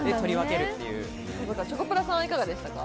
チョコプラさん、いかがでしたか？